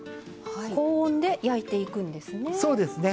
高温で焼いていくんですね。